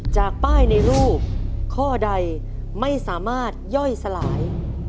จากป้ายในรูปข้อใดไม่สามารถย่อยสลาย